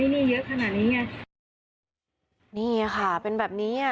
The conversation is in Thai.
นี่ค่ะเป็นแบบนี้